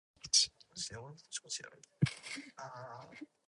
Bartsch was often wrongly credited with having invented these figures.